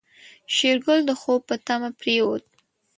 شېرګل د خوب په تمه پرېوت.